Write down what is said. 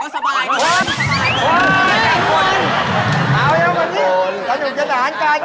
ค่ะทำไมคะ